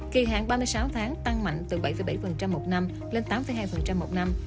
kỳ hạn ba mươi sáu tháng tăng mạnh từ bảy bảy một năm lên tám hai một năm